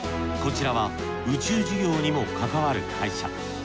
こちらは宇宙事業にも関わる会社。